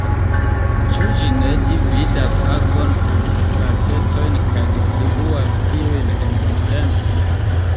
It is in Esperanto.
Ĉu ĝi ne dividas agon en partetojn kaj distribuas tiujn en la tempo?